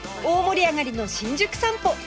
大盛り上がりの新宿散歩